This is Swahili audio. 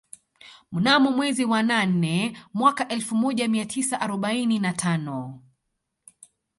Mnamo mwezi wa nane mwaka elfu moja mia tisa arobaini na tano